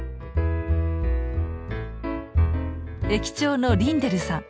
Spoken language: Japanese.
駅長のリンデルさん。